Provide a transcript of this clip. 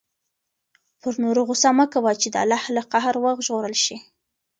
پر نورو غصه مه کوه چې د الله له قهر وژغورل شې.